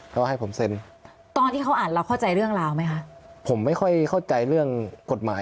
เขาให้ผมเซ็นตอนที่เขาอ่านเราเข้าใจเรื่องราวไหมคะผมไม่ค่อยเข้าใจเรื่องกฎหมาย